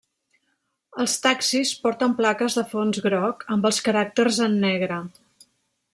Els taxis porten plaques de fons groc amb els caràcters en negre.